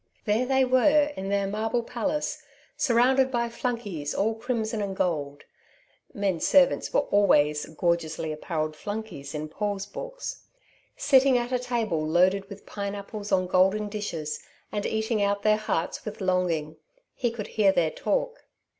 There they were, in their marble palace, surrounded by flunkeys all crimson and gold (men servants were always "gorgeously apparelled flunkeys" in Paul's books), sitting at a table loaded with pineapples on golden dishes, and eating out their hearts with longing. He could hear their talk.